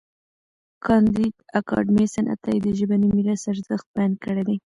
کانديد اکاډميسن عطايي د ژبني میراث ارزښت بیان کړی دی.